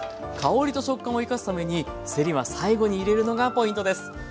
香りと食感をいかすためにせりは最後に入れるのがポイントです。